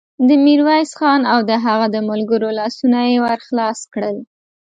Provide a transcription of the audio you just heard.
د ميرويس خان او د هغه د ملګرو لاسونه يې ور خلاص کړل.